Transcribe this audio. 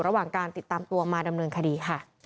ห้องนี้ห้องนี้